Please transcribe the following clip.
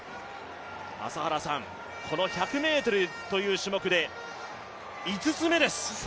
朝原さん、この１００ｍという種目で５つ目です。